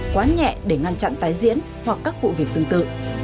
quá nhẹ để ngăn chặn tái diễn hoặc các vụ việc tương tự